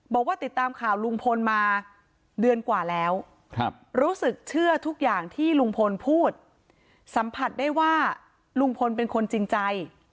บอกว่าติดตามข่าวลุงพลมาเดือนกว่าแล้วรู้สึกเชื่อทุกอย่างที่ลุงพลพูดสัมผัสได้ว่าลุงพลเป็นคนจริงใจ